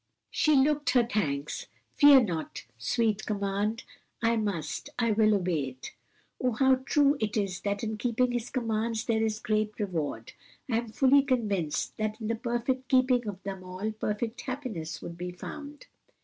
'" She looked her thanks. "'Fear not;' sweet command! I must, I will obey it. Oh, how true it is that in keeping His commands there is great reward! I am fully convinced that in the perfect keeping of them all perfect happiness would be found."